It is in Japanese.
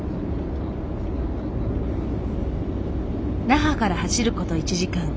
那覇から走る事１時間。